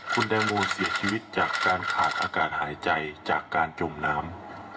คุณแตงโมเสียชีวิตจากการขาดอากาศหายใจจากการจมน้ำ